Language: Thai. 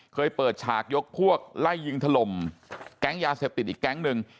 เคยเปิดฉากยกพวกไล่ยิงถล่มแก๊งยาเสพติดอีกแก๊งหนึ่ง